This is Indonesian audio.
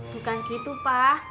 bukan gitu pak